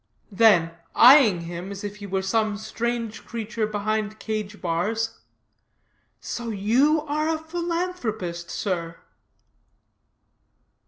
Then, eying him as if he were some strange creature behind cage bars, "So you are a philanthropist, sir."